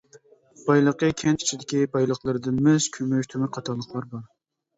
بايلىقى كەنت ئىچىدىكى بايلىقلىرىدىن مىس، كۈمۈش، تۆمۈر قاتارلىقلار بار.